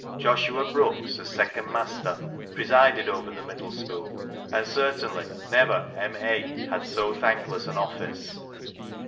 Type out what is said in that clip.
Joshua Brookes, as second master, presided over the middle school, and surely never M.A. had so thankless an office.